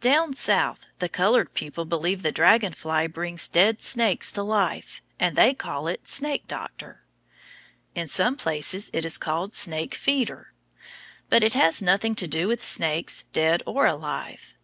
Down South the colored people believe the dragon fly brings dead snakes to life, and they call it snake doctor. In some places it is called snake feeder. But it has nothing to do with snakes, dead or alive.